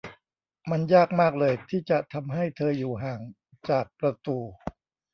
มันยากมากเลย ที่จะทำให้เธออยู่ห่างจากประตู